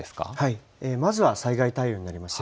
まずは災害対応になります。